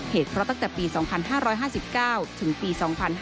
เหตุเพราะตั้งแต่ปี๒๕๕๙ถึงปี๒๕๕๙